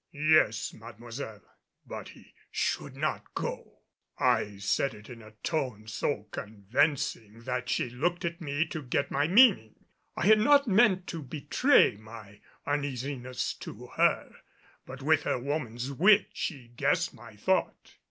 "Yes, Mademoiselle, but he should not go." I said it in a tone so convincing that she looked at me to get my meaning. I had not meant to betray my uneasiness to her, but with her woman's wit she guessed my thought.